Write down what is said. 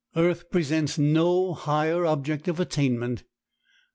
Earth presents no higher object of attainment.